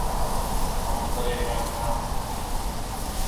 هم پريشان ڇآن ۔